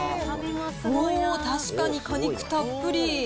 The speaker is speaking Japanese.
おー、確かに果肉たっぷり。